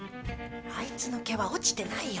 あいつの毛は落ちてないよ。